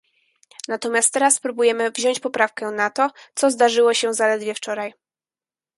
Natomiast teraz próbujemy wziąć poprawkę na to, co zdarzyło się zaledwie wczoraj